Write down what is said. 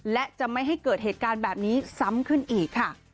และจะไม่ให้เกิดเหตุการณ์แบบนี้ซ้ำขึ้นอีกค่ะ